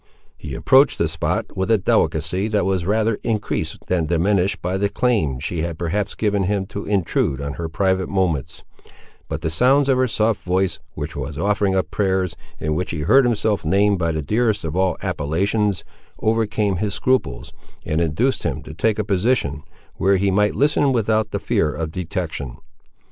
He approached the spot, with a delicacy that was rather increased than diminished by the claim she had perhaps given him to intrude on her private moments; but the sounds of her soft voice, which was offering up prayers, in which he heard himself named by the dearest of all appellations, overcame his scruples, and induced him to take a position where he might listen without the fear of detection.